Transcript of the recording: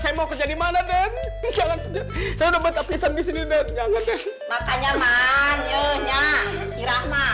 saya mau kerja dimana dan jangan saya dapat apisan disini dan jangan makanya nanya irahma